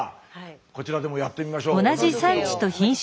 こちらでもやってみましょう同じことを。